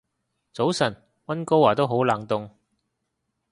早晨，溫哥華都好冷凍